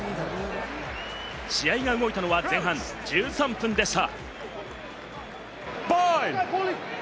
試合が動いたのは前半１３分でした。